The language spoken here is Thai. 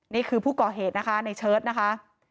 นี่คือผู้ก่อเหตุนะคะในเชิดนะคะ